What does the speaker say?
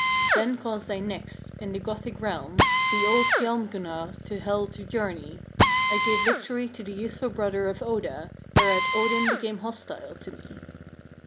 8. Then caused I next, in the Gothic realm, the old Hialmgunnar to Hel to journey: I gave victory to the youthful brother of Oda, whereat Odin became hostile to me.